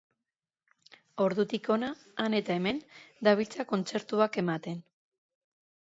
Ordutik hona, han eta hemen, dabiltza kontzertuak ematen.